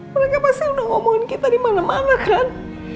mereka pasti udah ngomongin kita di mana mana kan